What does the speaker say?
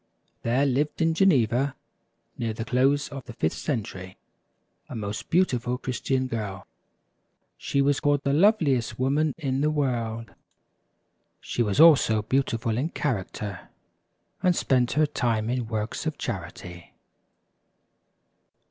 HERE lived in Geneva, near the close of the fifth century, a most beautiful Christian girl. She was called the loveliest woman in the world. She was also beautiful in character, and spent her time in works of charity.